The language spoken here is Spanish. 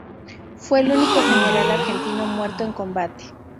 Fue el único general argentino muerto en combate.